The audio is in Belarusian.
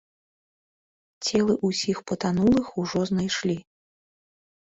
Целы ўсіх патанулых ужо знайшлі.